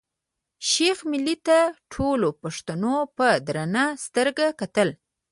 شېخ ملي ته ټولو پښتنو په درنه سترګه کتل.